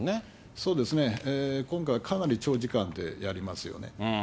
そうですね、今回はかなり長時間でやりますよね。